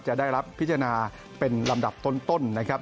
จะได้รับพิจารณาเป็นลำดับต้นนะครับ